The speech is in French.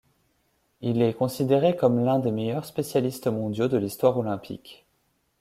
Il est considéré comme l'un des meilleurs spécialistes mondiaux de l'histoire olympique.